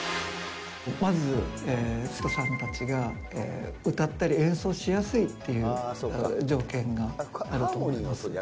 まず生徒さんたちが歌ったり演奏しやすいっていう条件があると思います。